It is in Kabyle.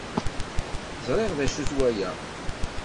Ẓriɣ d acu-t waya.